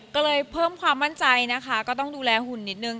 ก็เลยเพิ่มความมั่นใจนะคะก็ต้องดูแลหุ่นนิดนึง